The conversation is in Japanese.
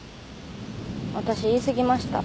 わたし言い過ぎました。